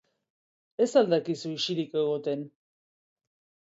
Ez al dakizu ixilik egoten?